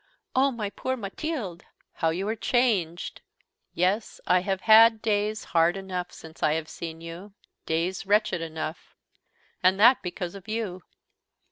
"Oh, my poor Mathilde! How you are changed!" "Yes, I have had days hard enough, since I have seen you, days wretched enough and that because of you!"